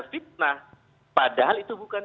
fitnah padahal itu bukan